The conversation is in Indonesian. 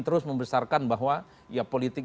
terus membesarkan bahwa ya politik